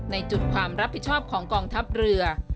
ในจุดความรับผิดชอบของกองทัพเรือ